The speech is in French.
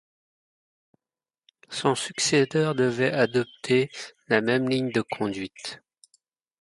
Son successeur devait adopter la même ligne de conduite.